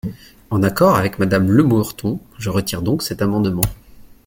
En accord avec Madame Lemorton, je retire donc cet amendement.